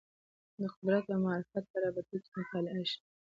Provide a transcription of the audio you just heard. د قدرت او معرفت په رابطه کې مطالعه شي